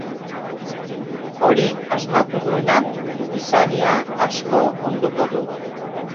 Hori asmatu duenak gizadia asko onduko du.